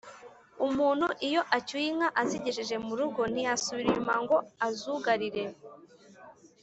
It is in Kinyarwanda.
Umuntu iyo acyuye inka azigejeje mu rugo ntiyasubira inyuma ngo azugarire